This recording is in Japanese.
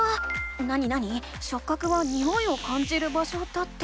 なになに「しょっ角はにおいを感じる場所」だって。